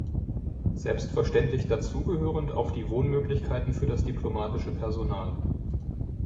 Selbstverständlich dazu gehörend auch die Wohnmöglichkeiten für das diplomatische Personal.